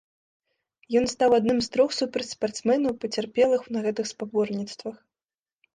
Ён стаў адным з трох суперспартсменаў, пацярпелых на гэтых спаборніцтвах.